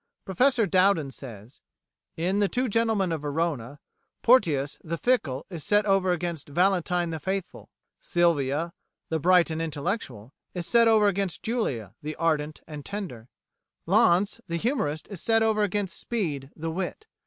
Professor Dowden says: "In the 'Two Gentlemen of Verona,' Porteus, the fickle, is set over against Valentine the faithful; Sylvia, the bright and intellectual, is set over against Julia, the ardent and tender; Launce, the humorist, is set over against Speed, the wit.